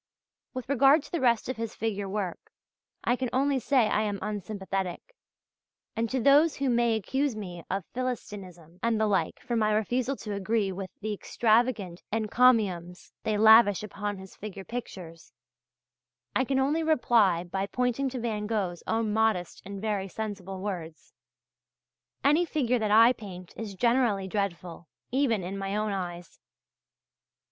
With regard to the rest of his figure work, I can only say I am unsympathetic. And to all those who may accuse me of Philistinism and the like for my refusal to agree with the extravagant encomiums they lavish upon his figure pictures, I can only reply by pointing to Van Gogh's own modest and very sensible words: "Any figure that I paint is generally dreadful, even in my own eyes.